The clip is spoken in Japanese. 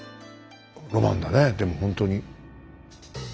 ロマンだねえでもほんとに。